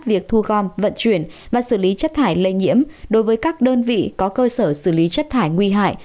việc thu gom vận chuyển và xử lý chất thải lây nhiễm đối với các đơn vị có cơ sở xử lý chất thải nguy hại